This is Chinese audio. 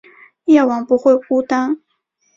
夜晚不会孤单